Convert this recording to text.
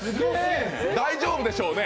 大丈夫でしょうね？